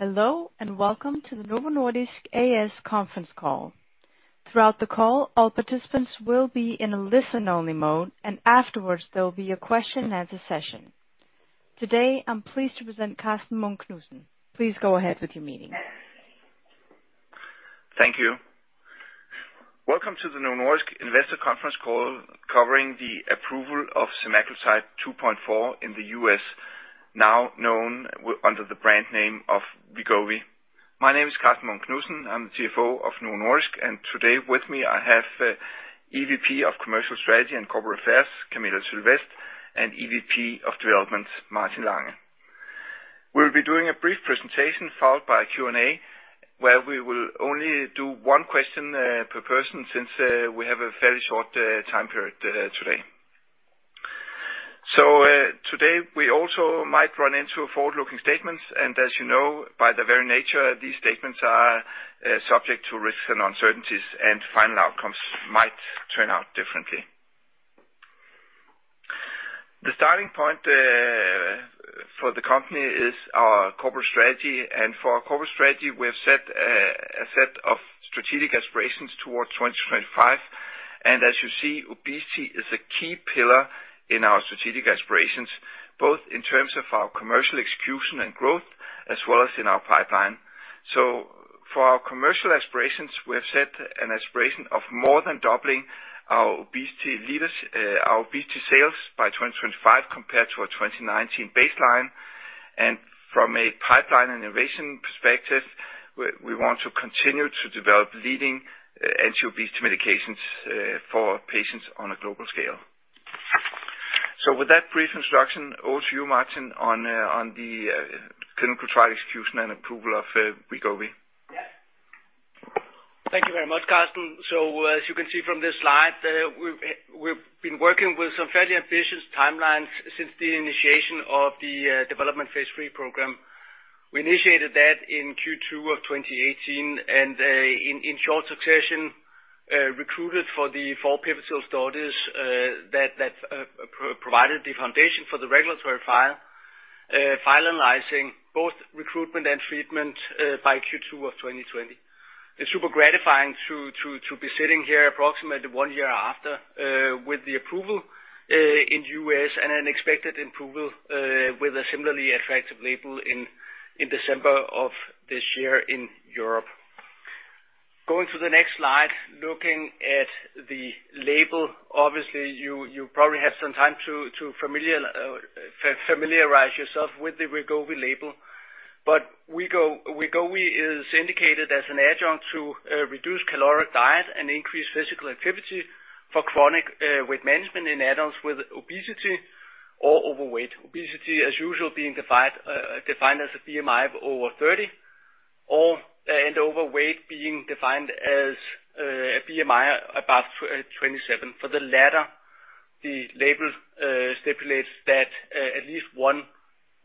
Hello, and welcome to the Novo Nordisk A/S conference call. Throughout the call, all participants will be in listen-only mode, and afterwards there will be a question and answer session. Today, I'm pleased to present Karsten Munk Knudsen. Please go ahead with your meeting. Thank you. Welcome to the Novo Nordisk investor conference call covering the approval of semaglutide 2.4 in the U.S., now known under the brand name of Wegovy. My name is Karsten Munk Knudsen, I'm the CFO of Novo Nordisk, today with me I have EVP of Commercial Strategy and Corporate Affairs, Camilla Sylvest, and EVP of Development, Martin Holst Lange. We'll be doing a brief presentation followed by a Q&A, where we will only do one question per person since we have a fairly short time period today. Today we also might run into forward-looking statements, as you know, by their very nature, these statements are subject to risks and uncertainties, final outcomes might turn out differently. The starting point for the company is our corporate strategy, for our corporate strategy, we have set a set of strategic aspirations towards 2025. As you see, obesity is a key pillar in our strategic aspirations, both in terms of our commercial execution and growth as well as in our pipeline. For our commercial aspirations, we have set an aspiration of more than doubling our obesity sales by 2025 compared to our 2019 baseline. From a pipeline innovation perspective, we want to continue to develop leading anti-obesity medications for patients on a global scale. With that brief introduction, over to you, Martin, on the clinical trial execution and approval of Wegovy. Thank you very much, Karsten. As you can see from this slide there, we've been working with some fairly ambitious timelines since the initiation of the development phase III program. We initiated that in Q2 of 2018, and in short succession, recruited for the four pivotal studies that provided the foundation for the regulatory file, finalizing both recruitment and treatment by Q2 of 2020. It's super gratifying to be sitting here approximately one year after with the approval in U.S. and an expected approval with a similarly effective label in December of this year in Europe. Going to the next slide, looking at the label. Obviously, you probably have some time to familiarize yourself with the Wegovy label, but Wegovy is indicated as an adjunct to reduced-caloric diet and increased physical activity for chronic weight management in adults with obesity or overweight. Obesity as usual being defined as a BMI of over 30, and overweight being defined as a BMI above 27. For the latter, the label stipulates that at least one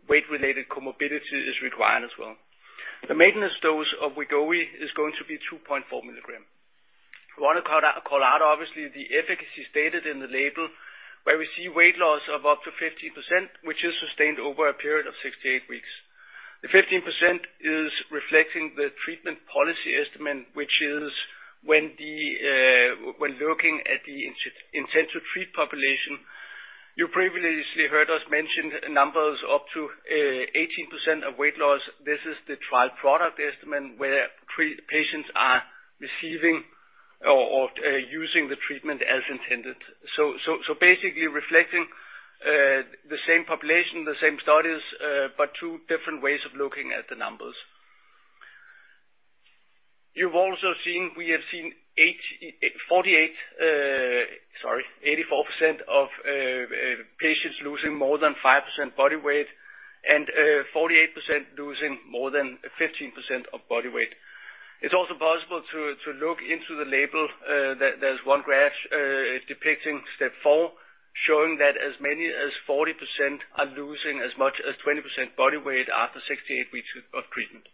weight-related comorbidity is required as well. The maintenance dose of Wegovy is going to be 2.4 mg. You want to call out obviously the efficacy stated in the label, where we see weight loss of up to 15%, which is sustained over a period of 68 weeks. The 15% is reflecting the treatment policy estimand, which is when looking at the intent-to-treat population. You previously heard us mention numbers up to 18% of weight loss. This is the trial product estimand where patients are receiving or using the treatment as intended. Basically reflecting the same population, the same studies, but two different ways of looking at the numbers. You've also seen, we have seen 84% of patients losing more than five percent body weight and 48% losing more than 15% of body weight. It's also possible to look into the label, there's one graph depicting STEP four, showing that as many as 40% are losing as much as 20% body weight after 68 weeks of treatment.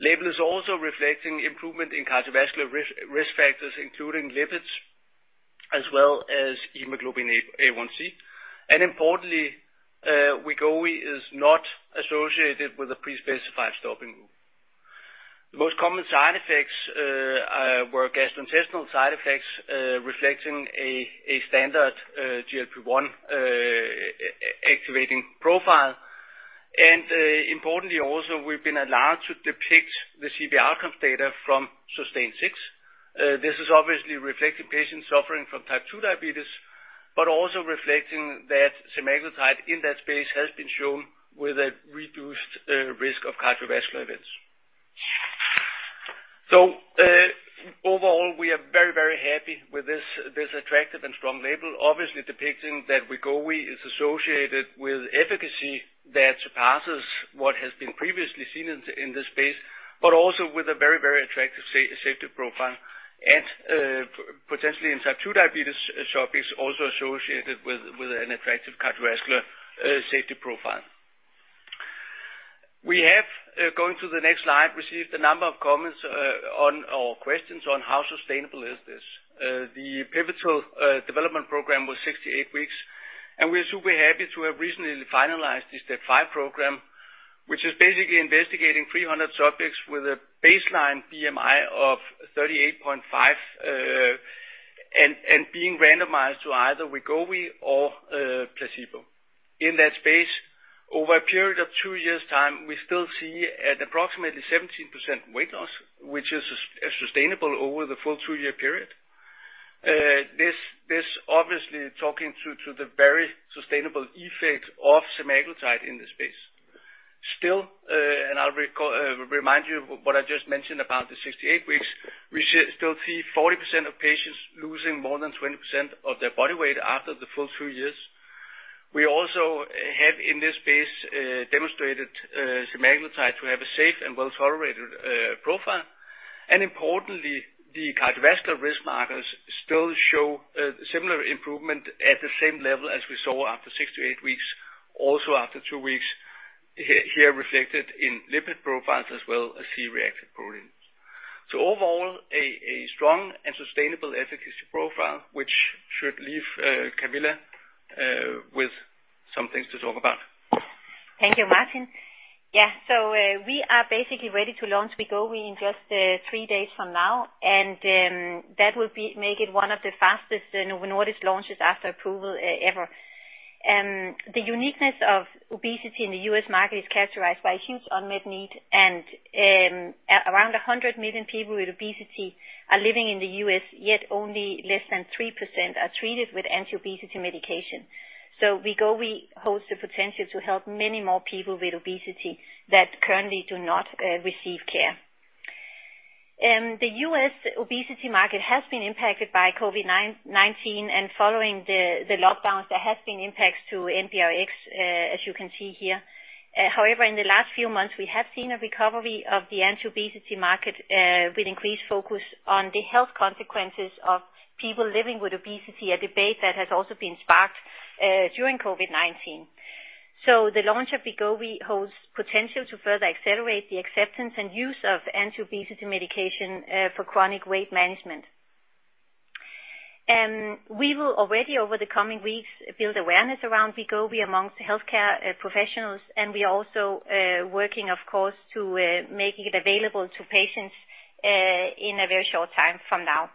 Label is also reflecting improvement in cardiovascular risk factors, including lipids as well as hemoglobin A1c. Importantly, Wegovy is not associated with a pre-specified stopping rule. The most common side effects were gastrointestinal side effects, reflecting a standard GLP-1 activating profile. Importantly also, we've been allowed to depict the CV outcome data from SUSTAIN 6. This is obviously reflecting patients suffering from type 2 diabetes, but also reflecting that semaglutide in that space has been shown with a reduced risk of cardiovascular events. Overall, we are very, very happy with this attractive and strong label, obviously depicting that Wegovy is associated with efficacy that surpasses what has been previously seen in this space, but also with a very, very attractive safety profile. Potentially in type 2 diabetes subjects, also associated with an effective cardiovascular safety profile. We have, going to the next slide, received a number of comments or questions on how sustainable is this. The pivotal development program was 68 weeks. We are super happy to have recently finalized the STEP five program, which is basically investigating 300 subjects with a baseline BMI of 38.5, and being randomized to either Wegovy or placebo. In that space, over a period of two years time, we still see at approximately 17% weight loss, which is sustainable over the full two-year period. This obviously talking to the very sustainable effect of semaglutide in this space. Still, and I'll remind you of what I just mentioned about the 68 weeks, we still see 40% of patients losing more than 20% of their body weight after the full three years. We also have, in this space, demonstrated semaglutide to have a safe and well-tolerated profile. Importantly, the cardiovascular risk markers still show a similar improvement at the same level as we saw after six - eight weeks, also after two weeks, here reflected in lipid profiles as well as C-reactive protein. Overall, a strong and sustainable efficacy profile, which should leave Camilla with some things to talk about. Thank you, Martin. Yeah, we are basically ready to launch Wegovy in just three days from now, and that will make it one of the fastest Novo Nordisk launches after approval ever. The uniqueness of obesity in the U.S. market is characterized by huge unmet need. Around 100 million people with obesity are living in the U.S., yet only less than three percent are treated with anti-obesity medication. Wegovy holds the potential to help many more people with obesity that currently do not receive care. The U.S. obesity market has been impacted by COVID-19. Following the lockdowns, there have been impacts to NPRX, as you can see here. However, in the last few months, we have seen a recovery of the anti-obesity market with increased focus on the health consequences of people living with obesity, a debate that has also been sparked during COVID-19. The launch of Wegovy holds potential to further accelerate the acceptance and use of anti-obesity medication for chronic weight management. We will already, over the coming weeks, build awareness around Wegovy amongst healthcare professionals. We are also working, of course, to make it available to patients in a very short time from now.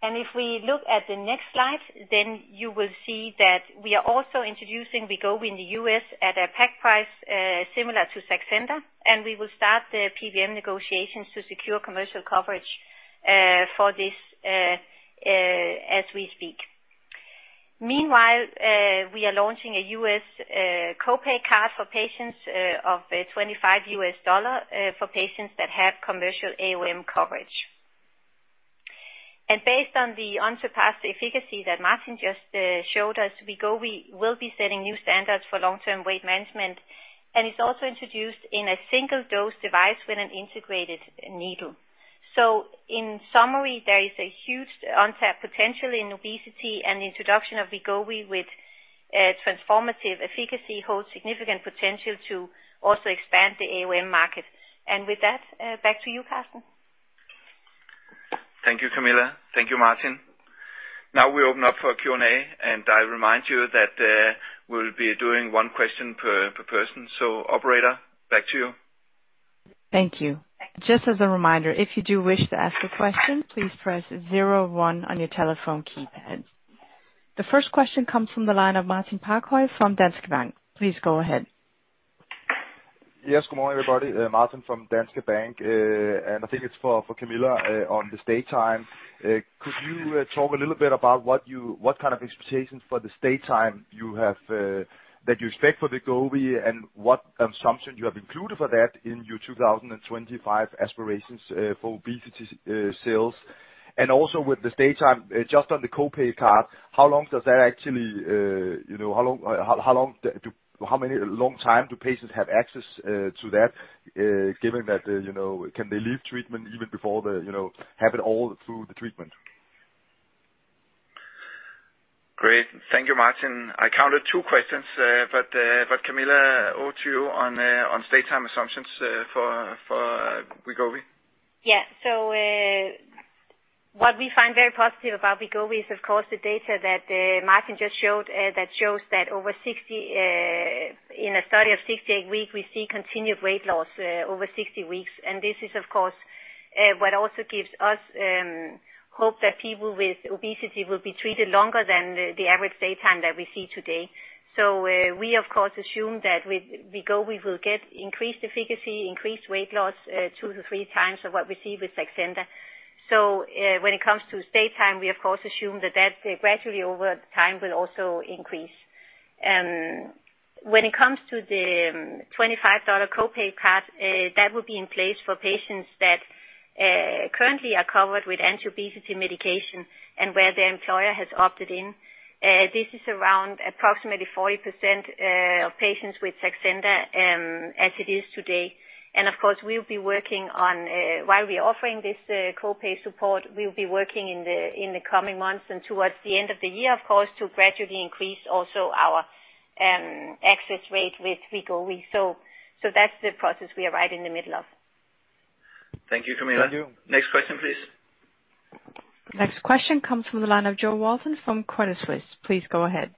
If we look at the next slide, then you will see that we are also introducing Wegovy in the U.S. at a pack price similar to Saxenda, and we will start the PBM negotiations to secure commercial coverage for this as we speak. Meanwhile, we are launching a U.S. co-pay card for patients of DKK 25 for patients that have commercial AOM coverage. Based on the unsurpassed efficacy that Martin just showed us, Wegovy will be setting new standards for long-term weight management, and it's also introduced in a single-dose device with an integrated needle. In summary, there is a huge untapped potential in obesity, and the introduction of Wegovy with transformative efficacy holds significant potential to also expand the AOM market. With that, back to you, Karsten. Thank you, Camilla. Thank you, Martin. Now we open up for Q&A. I remind you that we'll be doing one question per person. Operator, back to you. Thank you. Just as a reminder, if you do wish to ask a question, please press 01 on your telephone keypad. The first question comes from the line of Martin Parkhøi from Danske Bank. Please go ahead. Yes, good morning, everybody. Martin Parkhøi from Danske Bank. I think it is for Camilla on the stay time. Could you talk a little bit about what kind of expectations for the stay time that you expect for Wegovy and what assumptions you have included for that in your 2025 aspirations for obesity sales? Also with the stay time, just on the co-pay card, how long time do patients have access to that, given that can they leave treatment even before they have it all through the treatment? Great. Thank you, Martin. I counted two questions, but Camilla, over to you on stay time assumptions for Wegovy. What we find very positive about Wegovy is, of course, the data that Martin just showed that shows that in a study of 68 weeks, we see continued weight loss over 60 weeks. This is, of course, what also gives us hope that people with obesity will be treated longer than the average stay time that we see today. We, of course, assume that with Wegovy, we will get increased efficacy, increased weight loss two to three times of what we see with Saxenda. When it comes to stay time, we of course assume that gradually over time will also increase. When it comes to the DKK 25 co-pay card, that will be in place for patients that currently are covered with anti-obesity medication and where the employer has opted in. This is around approximately 40% of patients with Saxenda as it is today. Of course, while we're offering this co-pay support, we'll be working in the coming months and towards the end of the year, of course, to gradually increase also our access rate with Wegovy. That's the process we are right in the middle of. Thank you, Camilla. Next question, please. Next question comes from the line of Jo Walton from Credit Suisse. Please go ahead.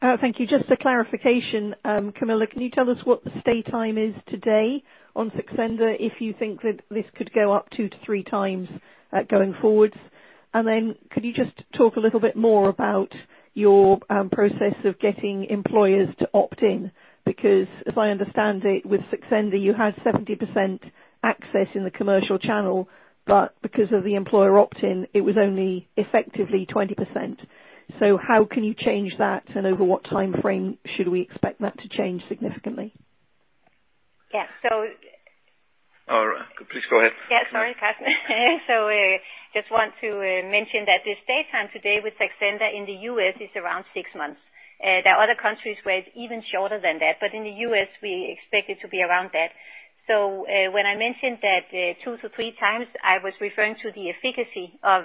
Thank you. Just for clarification, Camilla, can you tell us what the stay time is today on Saxenda, if you think that this could go up two to three times going forwards? Could you just talk a little bit more about your process of getting employers to opt in, because as I understand it, with Saxenda, you had 70% access in the commercial channel, but because of the employer opt-in, it was only effectively 20%. How can you change that, and over what timeframe should we expect that to change significantly? Yeah. All right. Please go ahead. Yeah, sorry, Carsten. I just want to mention that the stay time today with Saxenda in the U.S. is around six months. There are other countries where it's even shorter than that. In the U.S., we expect it to be around that. When I mentioned that two to three times, I was referring to the efficacy of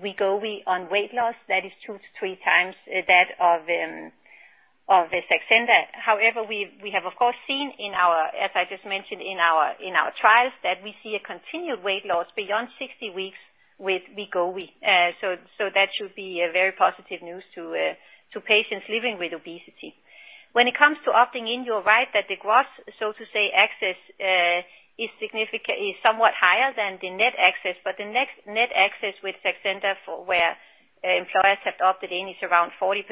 Wegovy on weight loss. That is two to three times that of Saxenda. However, we have of course seen, as I just mentioned in our trials, that we see a continued weight loss beyond 60 weeks with Wegovy. That should be a very positive news to patients living with obesity. When it comes to opting in, you're right that the gross, so to say, access is somewhat higher than the net access. The net access with Saxenda for where employers have opted in is around 40%,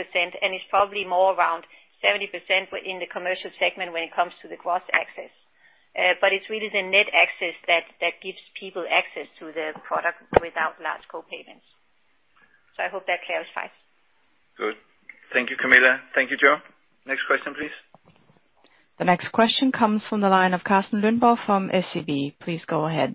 and it's probably more around 70% within the commercial segment when it comes to the gross access. It's really the net access that gives people access to the product without large co-payments. I hope that clarifies. Good. Thank you, Camilla. Thank you, Jo. Next question, please. The next question comes from the line of Carsten Lamm-Løntoft from SEB. Please go ahead.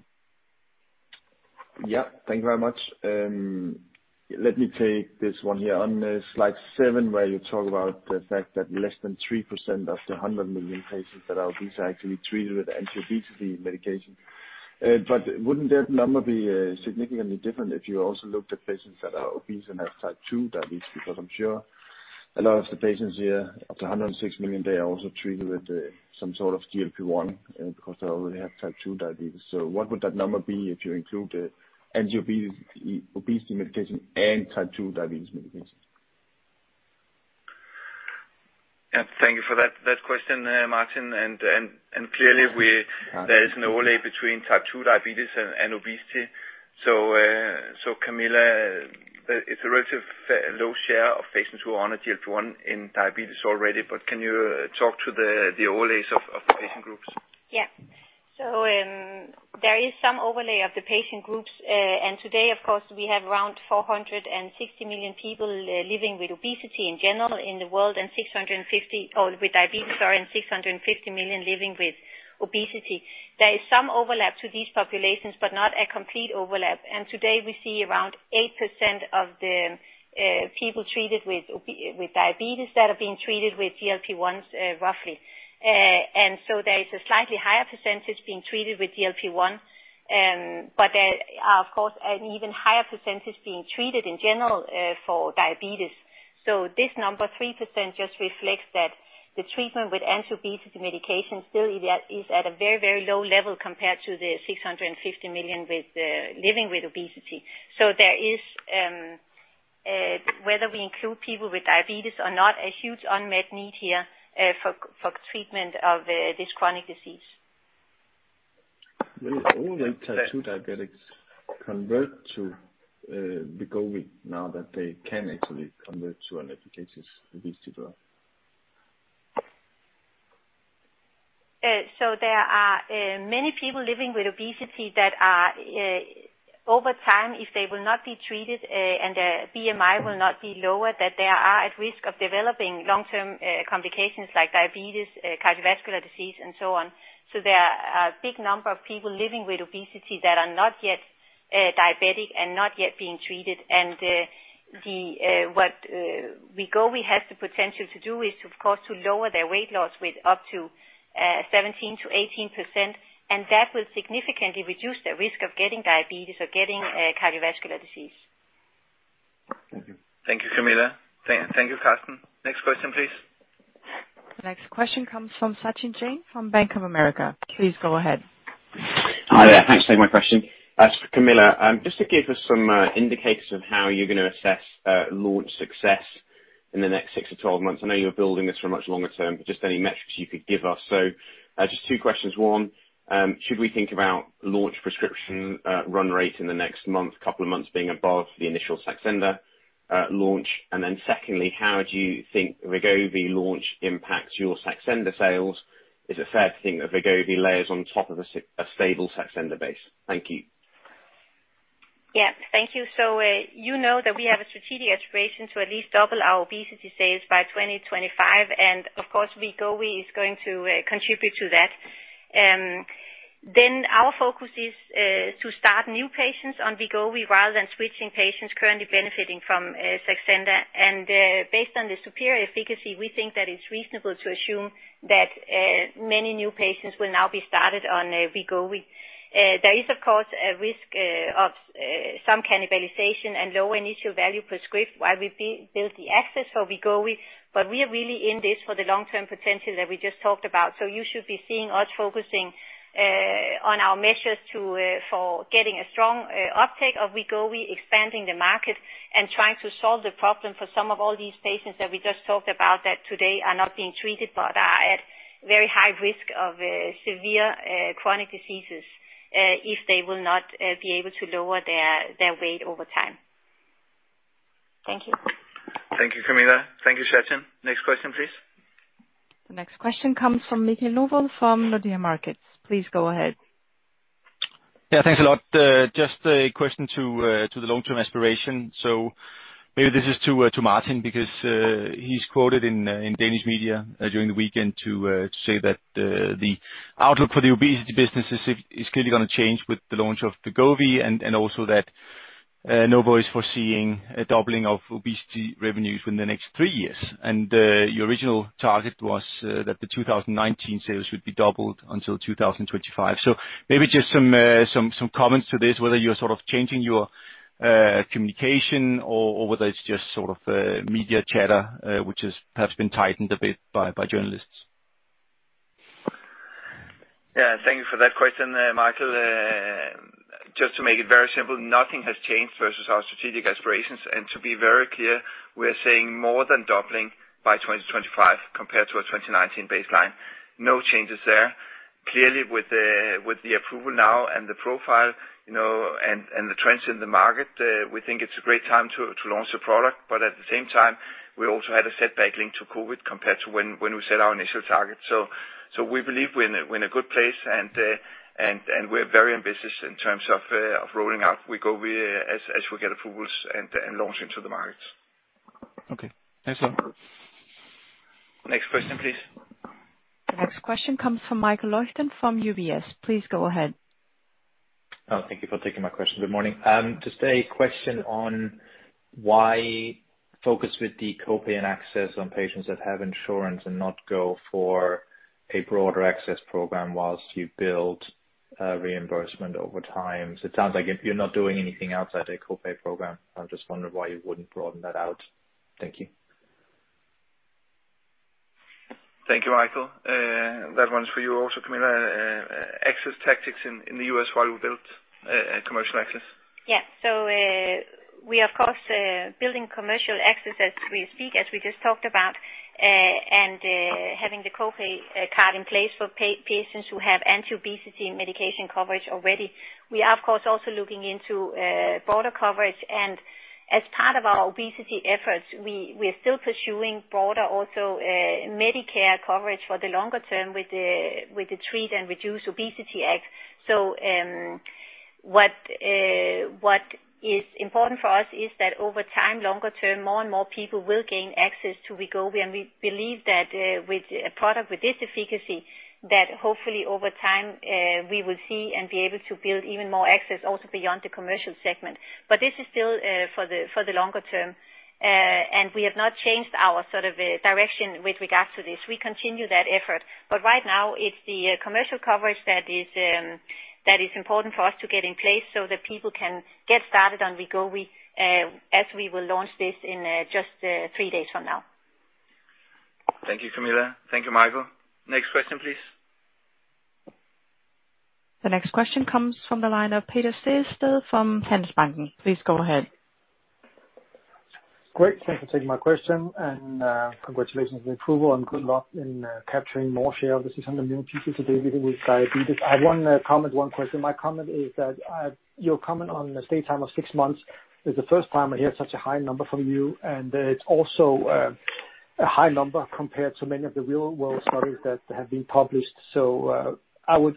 Thank you very much. Let me take this one here. On slide seven, where you talk about the fact that less than three percent of the 100 million patients that are obese are actually treated with anti-obesity medication. Wouldn't that number be significantly different if you also looked at patients that are obese and have type 2 diabetes? I'm sure a lot of the patients here, up to 106 million, they are also treated with some sort of GLP-1 because they already have type 2 diabetes. What would that number be if you include the anti-obesity medication and type 2 diabetes medication? Thank you for that question there, Martin. Clearly, there is an overlay between type 2 diabetes and obesity. Camilla, it's a relatively low share of patients who are on a GLP-1 in diabetes already, but can you talk to the overlays of patient groups? There is some overlay of the patient groups. Today, of course, we have around 460 million people living with obesity in general in the world, and 650 million living with obesity. There is some overlap to these populations, but not a complete overlap. Today we see around eight percent of the people treated with diabetes that are being treated with GLP-1s, roughly. There is a slightly higher percentage being treated with GLP-1, but of course, an even higher percentage being treated in general for diabetes. This number, three percent, just reflects that the treatment with anti-obesity medication still is at a very low level compared to the 660 million living with obesity. There is, whether we include people with diabetes or not, a huge unmet need here for treatment of this chronic disease. Will all the type 2 diabetics convert to Wegovy now that they can actually convert to an effective obesity drug? There are many people living with obesity that over time, if they will not be treated and their BMI will not be lowered, that they are at risk of developing long-term complications like diabetes, cardiovascular disease, and so on. There are a big number of people living with obesity that are not yet diabetic and not yet being treated. What Wegovy has the potential to do is, of course, to lower their weight loss with up to 17%-18%, and that will significantly reduce their risk of getting diabetes or getting cardiovascular disease. Thank you, Camilla. Thank you, Carsten. Next question, please. The next question comes from Sachin Jain from Bank of America. Please go ahead. Hi there. Thanks for taking my question. Camilla, just to give us some indicators of how you're going to assess launch success in the next six to 12 months. I know you're building this for much longer term, but just any metrics you could give us. Just two questions. One, should we think about launch prescription run rate in the next month, couple of months being above the initial Saxenda launch? Secondly, how do you think the Wegovy launch impacts your Saxenda sales? Is it fair to think that Wegovy layers on top of a stable Saxenda base? Thank you. Thank you. You know that we have a strategic aspiration to at least double our obesity sales by 2025, and of course, Wegovy is going to contribute to that. Our focus is to start new patients on Wegovy rather than switching patients currently benefiting from Saxenda. Based on the superior efficacy, we think that it's reasonable to assume that many new patients will now be started on Wegovy. There is, of course, a risk of some cannibalization and lower initial value per script while we build the access for Wegovy, but we are really in this for the long-term potential that we just talked about. You should be seeing us focusing on our measures for getting a strong uptake of Wegovy, expanding the market, and trying to solve the problem for some of all these patients that we just talked about that today are not being treated but are at very high risk of severe chronic diseases if they will not be able to lower their weight over time. Thank you. Thank you, Camilla. Thank you, Søren. Next question, please. The next question comes from Michael Novod from Nordea Bank. Please go ahead. Yeah, thanks a lot. Just a question to the long-term aspiration. Maybe this is to Martin because he's quoted in Danish media during the weekend to say that the outlook for the obesity business is going to change with the launch of Wegovy and also that Novo is foreseeing a doubling of obesity revenues within the next three years. Your original target was that the 2019 sales would be doubled until 2025. Maybe just some comments to this, whether you're sort of changing your communication or whether it's just sort of media chatter, which has been tightened a bit by journalists. Yeah, thank you for that question, Michael. Just to make it very simple, nothing has changed versus our strategic aspirations. To be very clear, we are saying more than doubling by 2025 compared to a 2019 baseline. No changes there. Clearly, with the approval now and the profile and the trends in the market, we think it's a great time to launch the product. At the same time, we also had a setback linked to COVID-19 compared to when we set our initial target. We believe we're in a good place, and we are very ambitious in terms of rolling out Wegovy as we get approvals and launch into the markets. Okay, thanks all. Next question, please. The next question comes from Michael Leuchten from UBS. Please go ahead. Thank you for taking my question. Good morning. Just a question on why focus with the copay and access on patients that have insurance and not go for a broader access program whilst you build reimbursement over time? It sounds like you're not doing anything outside a copay program. I'm just wondering why you wouldn't broaden that out? Thank you. Thank you, Michael Novod. That one's for you also, Camilla Sylvest. Access tactics in the U.S. while we build commercial access. Yeah. We are, of course, building commercial access as we speak, as we just talked about, and having the copay card in place for patients who have anti-obesity medication coverage already. We are, of course, also looking into broader coverage. As part of our obesity efforts, we are still pursuing broader also Medicare coverage for the longer term with the Treat and Reduce Obesity Act. What is important for us is that over time, longer term, more and more people will gain access to Wegovy, and we believe that with a product with this efficacy, that hopefully over time we will see and be able to build even more access also beyond the commercial segment. This is still for the longer term, and we have not changed our sort of direction with regards to this. We continue that effort, but right now it's the commercial coverage that is important for us to get in place so that people can get started on Wegovy as we will launch this in just three days from now. Thank you, Camilla. Thank you, Michael. Next question, please. The next question comes from the line of Peter Ankersen from Danske Bank. Please go ahead. Great. Thank you for taking my question and congratulations on approval and good luck in capturing more share. This is on the new 52-week data with diabetes. I have one comment, one question. My comment is that your comment on stay time of six months is the first time I hear such a high number from you, and it's also a high number compared to many of the real-world studies that have been published. I would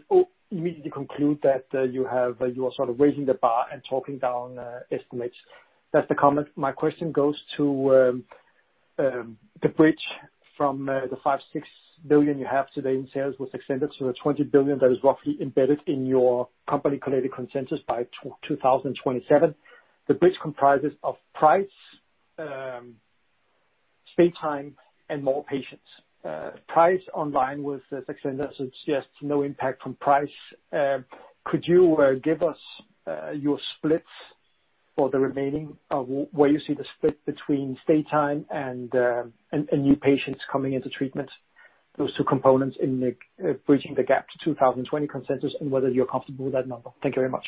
immediately conclude that you are sort of raising the bar and talking down estimates. That's the comment. My question goes to the bridge from the 5 billion-6 billion you have today in sales with Ozempic to the 20 billion that is roughly embedded in your company credit consensus by 2027. The bridge comprises of price, stay time, and more patients. Price online was extended, so yes, no impact from price. Could you give us your splits for the remaining, where you see the split between stay time and new patients coming into treatment, those two components in bridging the gap to 2020 consensus and whether you're comfortable with that number? Thank you very much.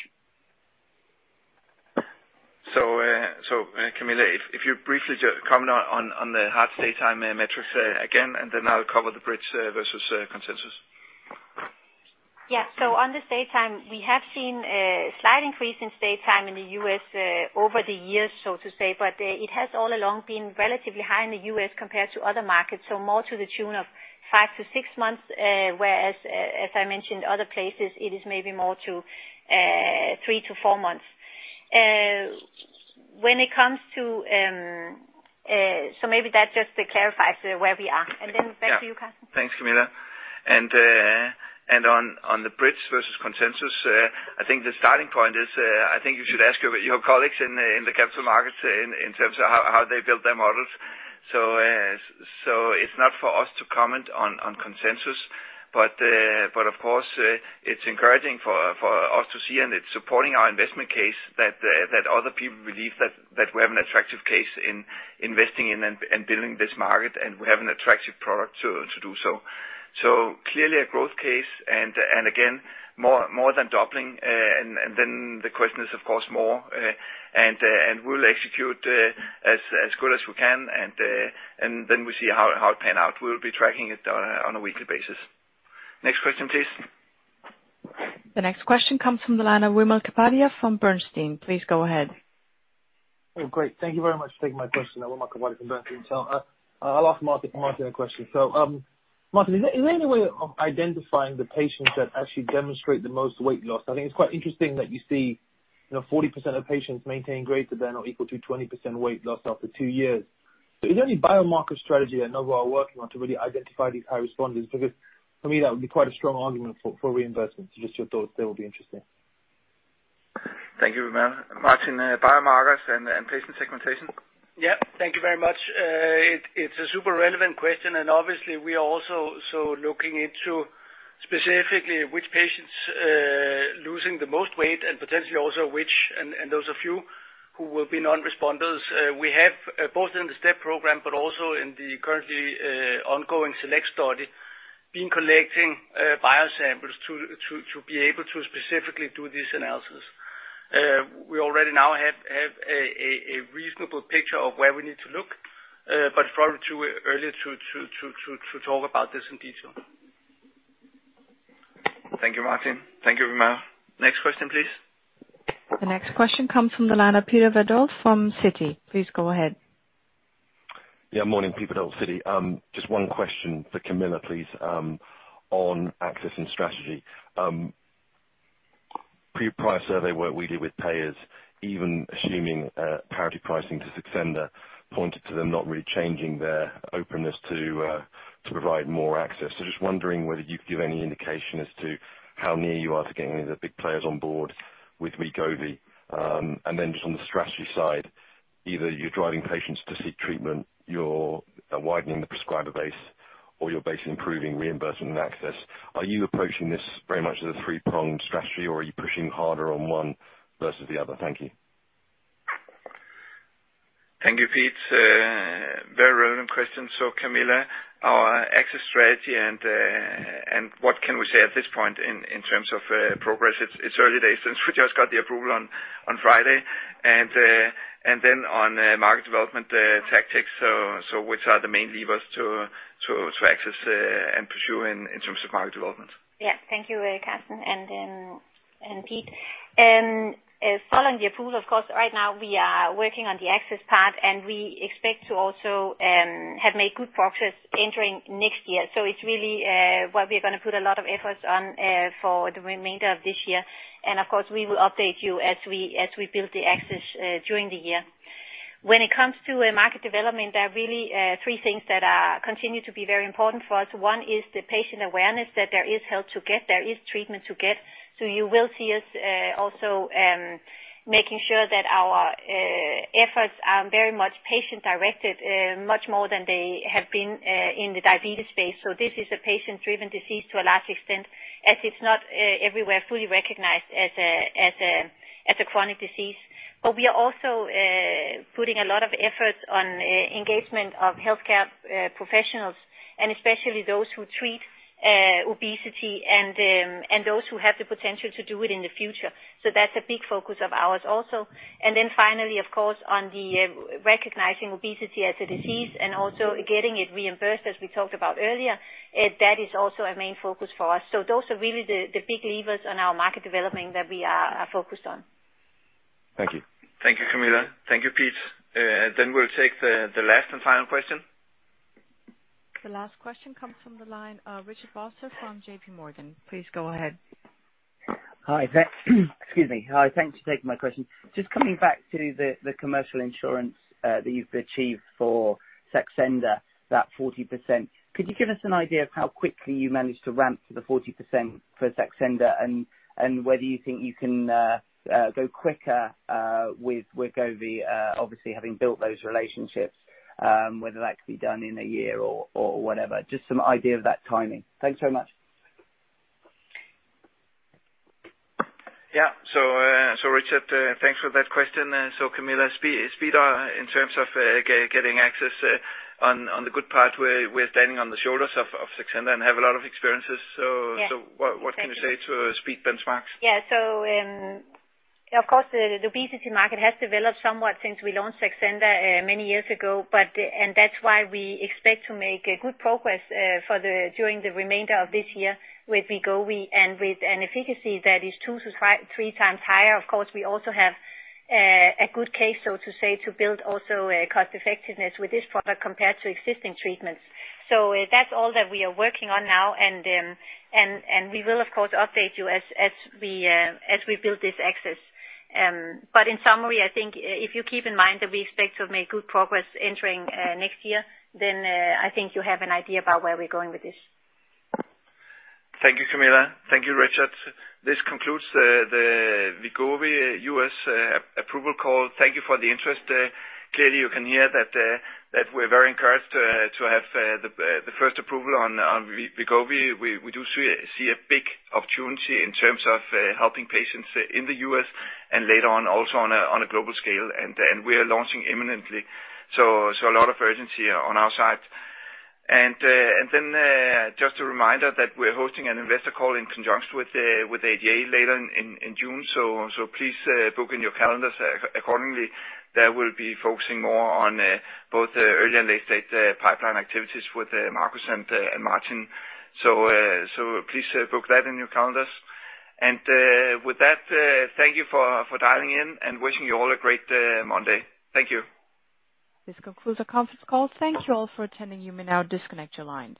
Camilla, if you briefly just comment on the half-life metrics again, and then I'll cover the bridge versus consensus. Yeah. On the stay time, we have seen a slight increase in stay time in the U.S. over the years, so to say, but it has all along been relatively high in the U.S. compared to other markets. More to the tune of five - six months, whereas, as I mentioned, other places it is maybe more to three - four months. Maybe that just clarifies where we are. Back to you, Karsten Thanks, Camilla. On the bridge versus consensus, I think the starting point is, I think you should ask your colleagues in the capital markets in terms of how they build their models. It's not for us to comment on consensus. Of course, it's encouraging for us to see, and it's supporting our investment case that other people believe that we have an attractive case in investing in and building this market, and we have an attractive product to do so. Clearly a growth case and again, more than doubling. The question is, of course, more, and we'll execute as good as we can, and then we see how it pan out. We'll be tracking it on a weekly basis. Next question, please. The next question comes from the line of Wimal Kapadia from Bernstein. Please go ahead. Great. Thank you very much for taking my question, Wimal from Bernstein. I'll ask Martin a question. Martin, is there any way of identifying the patients that actually demonstrate the most weight loss? I think it's quite interesting that you see 40% of patients maintain greater than or equal to 20% weight loss after two years. Is there any biomarker strategy I know we are working on to really identify these high responders, because for me, that would be quite a strong argument for reimbursement. Just your thoughts there will be interesting. Thank you, Wimal. Martin, biomarkers and patient segmentation. Yeah, thank you very much. It's a super relevant question and obviously we are also looking into specifically which patients are losing the most weight and potentially also which will be non-responders. We have both in the STEP program but also in the currently ongoing SELECT study, been collecting bio samples to be able to specifically do this analysis. We already now have a reasonable picture of where we need to look, but far too early to talk about this in detail. Thank you, Martin. Thank you, Wilma. Next question, please. The next question comes from the line of Peter Verdult from Citi. Please go ahead. Morning, Peter at Citi. Just one question for Camilla, please, on access and strategy. Pre-price survey work we did with payers, even assuming parity pricing to Saxenda pointed to them not really changing their openness to provide more access. Just wondering whether you could give any indication as to how near you are to getting the big players on board with Wegovy, and then just on the strategy side, either you're driving patients to seek treatment, you're widening the prescriber base or you're based improving reimbursement access. Are you approaching this very much as a three-pronged strategy or are you pushing harder on one versus the other? Thank you. Thank you, Peter Verdult. Very relevant question. Camilla Sylvest, our access strategy and what can we say at this point in terms of progress? It's early days since we just got the approval on Friday and then on market development tactics. Which are the main levers to access and pursue in terms of market development? ank you, Carsten and Pete. Following the approval, of course, right now we are working on the access part. We expect to also have made good progress entering next year. It's really what we're going to put a lot of efforts on for the remainder of this year. Of course, we will update you as we build the access during the year. When it comes to market development, there are really three things that continue to be very important for us. One is the patient awareness that there is help to get, there is treatment to get. You will see us also making sure that our efforts are very much patient-directed much more than they have been in the diabetes space. This is a patient-driven disease to a large extent, as it's not everywhere fully recognized as a chronic disease. We are also putting a lot of effort on engagement of healthcare professionals and especially those who treat obesity and those who have the potential to do it in the future. That's a big focus of ours also. Finally, of course, on recognizing obesity as a disease and also getting it reimbursed, as we talked about earlier, that is also a main focus for us. Those are really the big levers on our market development that we are focused on. Thank you. Thank you, Camilla. Thank you, Pete. We'll take the last and final question. The last question comes from the line, Richard Vosser from J.P. Morgan. Please go ahead. Hi. Excuse me. Hi, thanks for taking my question. Just coming back to the commercial insurance that you've achieved for Saxenda, that 40%. Could you give us an idea of how quickly you managed to ramp to the 40% for Saxenda? Whether you think you can go quicker with Wegovy, obviously having built those relationships, whether that could be done in a year or whatever. Just an idea of that timing. Thanks so much. Yeah. Richard, thanks for that question. Camilla, speed in terms of getting access on the good part where we're standing on the shoulders of Saxenda and have a lot of experiences. Yeah. What can you say to speed benchmarks? Yeah. Of course, the obesity market has developed somewhat since we launched Saxenda many years ago. That's why we expect to make good progress during the remainder of this year with Wegovy and with an efficacy that is two to three times higher. Of course, we also have a good case, so to say, to build also cost effectiveness with this product compared to existing treatments. That's all that we are working on now, and we will of course update you as we build this access. In summary, I think if you keep in mind that we expect to make good progress entering next year, then I think you have an idea about where we're going with this. Thank you, Camilla. Thank you, Richard. This concludes the Wegovy U.S. approval call. Thank you for the interest. Clearly you can hear that we're very encouraged to have the first approval on Wegovy. We do see a big opportunity in terms of helping patients in the U.S. and later on also on a global scale. We are launching imminently. A lot of urgency on our side. Just a reminder that we're hosting an investor call in conjunction with the ADA later in June. Please book in your calendars accordingly. That will be focusing more on both early and late-stage pipeline activities with Marcus and Martin. Please book that in your calendars. With that, thank you for dialing in and wishing you all a great Monday. Thank you. This concludes the conference call. Thank you all for attending. You may now disconnect your lines.